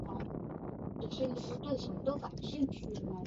童男者尤良。